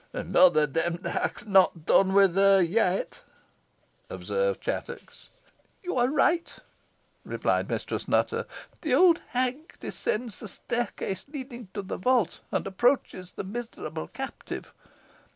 "Mother Demdike has not done with her yet," observed Chattox. "You are right," replied Mistress Nutter. "The old hag descends the staircase leading to the vault, and approaches the miserable captive.